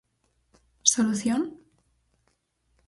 Solución?